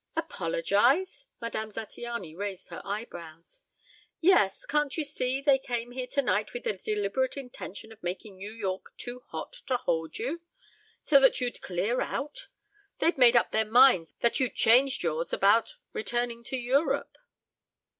"Apologize?" Madame Zattiany raised her eyebrows. "Yes. Can't you see they came here tonight with the deliberate intention of making New York too hot to hold you? So that you'd clear out? They'd made up their minds that you'd changed yours about returning to Europe.